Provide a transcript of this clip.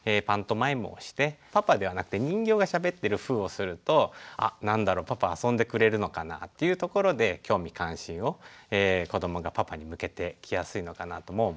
パントマイムをしてパパではなくて人形がしゃべってるふうをするとあ何だろうパパ遊んでくれるのかな？っていうところで興味関心を子どもがパパに向けてきやすいのかなとも思います。